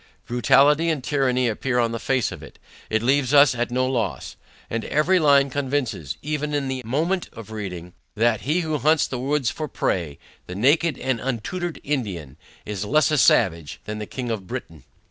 Brutality and tyranny appear on the face of it. It leaves us at no loss: And every line convinces, even in the moment of reading, that He, who hunts the woods for prey, the naked and untutored Indian, is less a Savage than the King of Britain.